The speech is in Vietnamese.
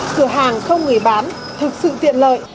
cửa hàng không người bán thực sự tiện lợi